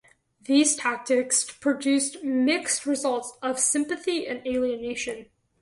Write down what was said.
These tactics produced mixed results of sympathy and alienation.